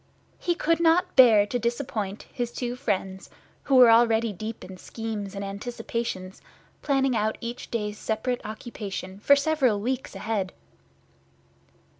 He could not bear to disappoint his two friends, who were already deep in schemes and anticipations, planning out each day's separate occupation for several weeks ahead.